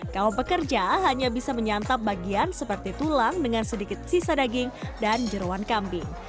kaum pekerja hanya bisa menyantap bagian seperti tulang dengan sedikit sisa daging dan jeruan kambing